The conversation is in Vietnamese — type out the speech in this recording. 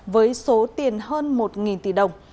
với số tiền hơn một tỷ đồng